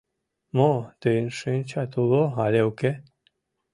Мо, тыйын шинчат уло але уке?